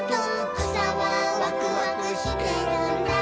「くさはワクワクしてるんだ」